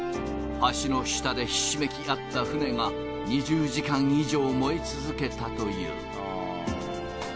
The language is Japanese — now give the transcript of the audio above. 橋の下でひしめき合った船が２０時間以上燃え続けたという。